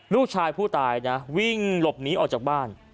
ลูกชายผู้ตายนะวิ่งหลบหนีออกจากบ้าน